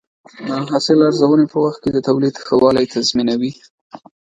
د حاصل ارزونه په وخت کې د تولید ښه والی تضمینوي.